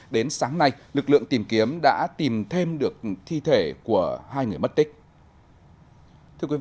đến sáng nay lực lượng tìm kiếm đã tìm thêm được thi thể của hai người mất tích